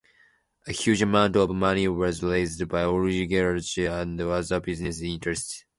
A huge amount of money was raised by oligarchs and other business interests.